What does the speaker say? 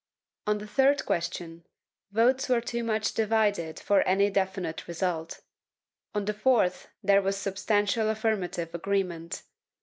On the third question, votes were too much divided for any definite result. On the fourth there was substantial affirmative agreement.